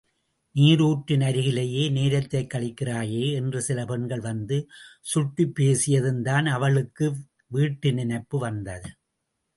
நீருற்றின் அருகிலேயே நேரத்தைக் கழிக்கிறாயே? என்று சில பெண்கள் வந்து சுட்டிப் பேசியதும்தான் அவளுக்கு வீட்டு நினைப்பு வந்தது.